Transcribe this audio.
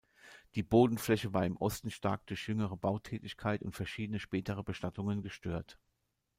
Die Bodenfläche war im Osten stark durch jüngere Bautätigkeit und verschiedene spätere Bestattungen gestört.